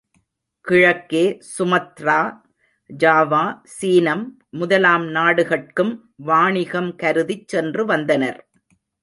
கிழக்கே Sumatra, Java, சீனம் முதலாம் நாடுகட்கும் வாணிகம் கருதிச் சென்று வந்தனர்.